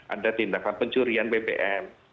ada tindakan pencurian bpm